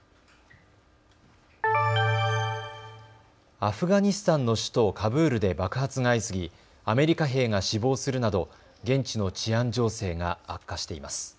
アフガニスタンの首都カブールで爆発が相次ぎアメリカ兵が死亡するなど現地の治安情勢が悪化しています。